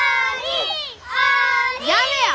やめや！